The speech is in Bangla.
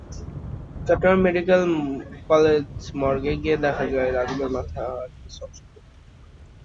চট্টগ্রাম মেডিকেল কলেজ মর্গে গিয়ে দেখা যায়, রাজীবের মাথার কিছু অংশ থেঁতলে গেছে।